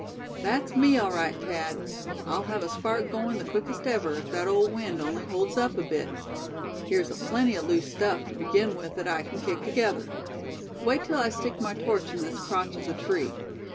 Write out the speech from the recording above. "That's me, all right, Thad; I'll have a spark going the quickest ever, if that old wind only holds up a bit. Here's aplenty of loose stuff, to begin with, that I can kick together. Wait till I stick my torch in this crotch of the tree.